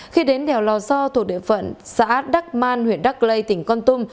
khi đến đèo lò so thuộc địa phận xã đắc man huyện đắc lây tỉnh con tum